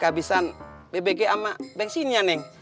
khabisan bbg sama bensinnya neng